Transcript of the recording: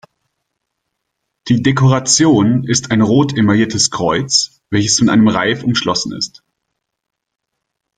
Die Dekoration ist ein rot emailliertes Kreuz, welches von einem Reif umschlossen ist.